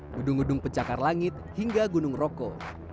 gedung gedung pencakar langit hingga gunung roko